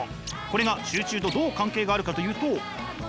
これが集中とどう関係があるかというと。